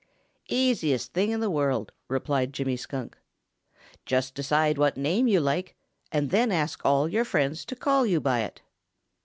"Easiest thing in the world," replied Jimmy Skunk. "Just decide what name you like and then ask all your friends to call you by it."